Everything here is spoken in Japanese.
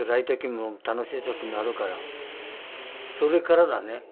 それからだね。